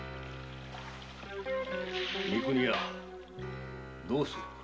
三国屋どうする？